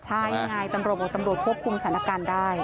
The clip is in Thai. ใช่ไงตำรวจบอกตำรวจควบคุมสถานการณ์ได้